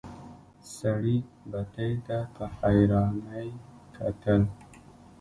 سړي بتۍ ته په حيرانی کتل.